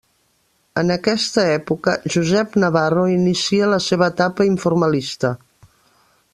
En aquesta època, Josep Navarro inicia la seva etapa informalista.